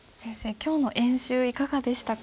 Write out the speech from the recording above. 今日の演習いかがでしたか？